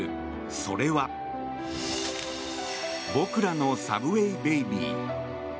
それは「僕らのサブウェイ・ベビー」。